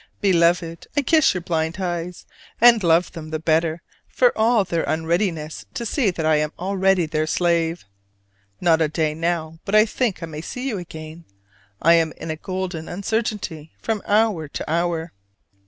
Beloved, I kiss your blind eyes, and love them the better for all their unreadiness to see that I am already their slave. Not a day now but I think I may see you again: I am in a golden uncertainty from hour to hour.